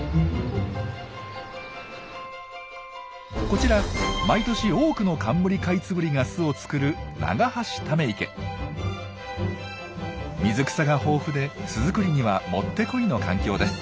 こちら毎年多くのカンムリカイツブリが巣を作る水草が豊富で巣作りにはもってこいの環境です。